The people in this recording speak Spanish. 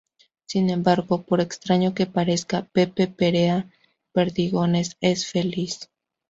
Sin embargo, por extraño que parezca, Pepe Perea Perdigones es feliz.